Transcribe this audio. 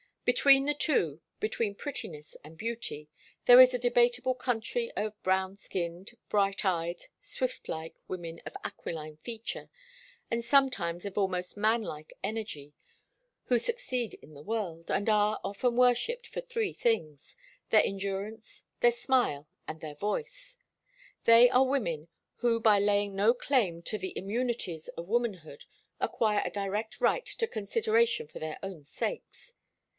Between the two, between prettiness and beauty, there is a debatable country of brown skinned, bright eyed, swift like women of aquiline feature, and sometimes of almost man like energy, who succeed in the world, and are often worshipped for three things their endurance, their smile and their voice. They are women who by laying no claim to the immunities of womanhood acquire a direct right to consideration for their own sakes.